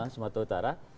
di sumatera utara